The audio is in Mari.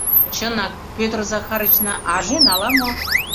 — Чынак, Пӧтыр Захарычна ажен ала-мо.